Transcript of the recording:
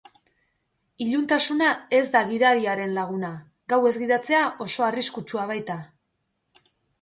Iluntasuna ez da gidariaren laguna, gauez gidatzea oso arriskutsua baita.